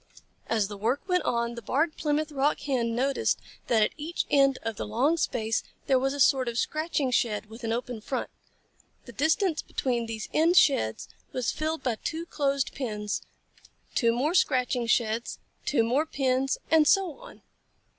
As the work went on, the Barred Plymouth Rock Hen noticed that at each end of the long space there was a sort of scratching shed with an open front. The distance between these end sheds was filled by two closed pens, two more scratching sheds, two more pens, and so on.